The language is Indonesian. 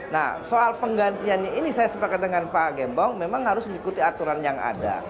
nah soal penggantiannya ini saya sepakat dengan pak gembong memang harus mengikuti aturan yang ada